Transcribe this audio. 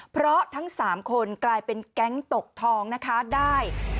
เพราะทั้ง๓คนกลายเป็นแก๊งตกทองนะคะได้